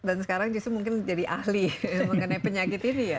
dan sekarang justru mungkin jadi ahli mengenai penyakit ini ya